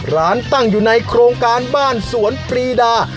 ร้านตั้งอยู่ในโครงการบ้านสวนปรีดา